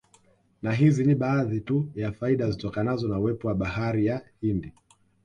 Na hizi ni baadhi tu ya faida zitokanazo na uwepo wa bahari ya Hindi